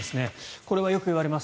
これはよく言われます